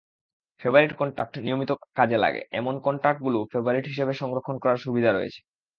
Favourite কন্টাক্টনিয়মিত কাজে লাগে, এমন কন্টাক্টগুলো ফেবারিট হিসেবে সংরক্ষণ করার সুবিধা রয়েছে।